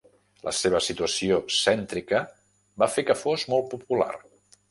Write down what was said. La seva situació cèntrica va fer que fos molt popular.